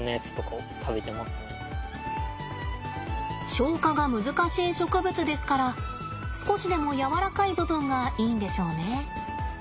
消化が難しい植物ですから少しでもやわらかい部分がいいんでしょうね。